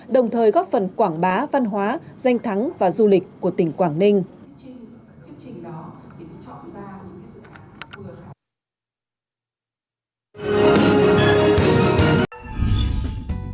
đồng thời góp phần quảng bá văn hóa danh thắng và du lịch của tỉnh quảng ninh